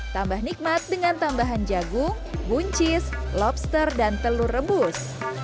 tambah nikmat dengan tambahan jagung buncis lobster dan telur rebus